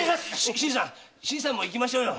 新さんも行きましょうよ。